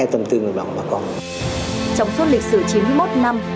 trong suốt lịch sử chín mươi một năm